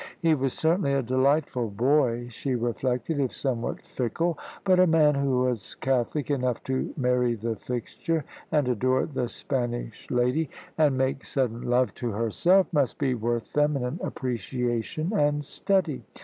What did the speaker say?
He was certainly a delightful boy, she reflected, if somewhat fickle. But a man who was catholic enough to marry the fixture, and adore the Spanish lady, and make sudden love to herself, must be worth feminine appreciation and study.